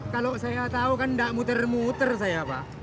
kalau saya tau kan nggak muter muter saya pak